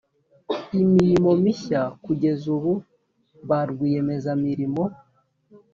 imirimo mishya kugeza ubu ba rwiyemezamirimo